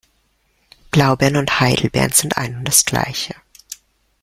Blaubeeren und Heidelbeeren sind ein und das Gleiche.